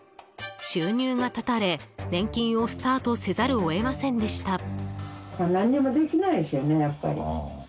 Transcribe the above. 収入が断たれ、年金をスタートせざるを得ませんでした。